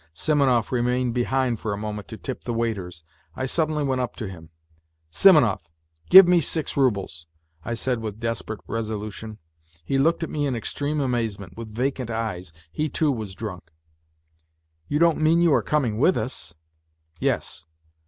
Simonov remained behind for a moment to tip the waiters. I suddenly went up to him. " Simonov ! give me six roubles !" I said, with desperate resolution. He looked at me in extreme amazement, with vacant eyes. He, too, was drunk. " You don't mean you are coming with us ?"" Yes."